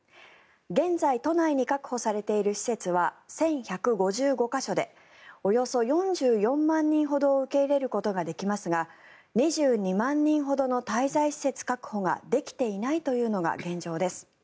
現在、都内に確保されている施設は１１５５か所でおよそ４４万人ほどを受け入れることができますが２２万人ほどの滞在施設確保ができていないというのが現状です。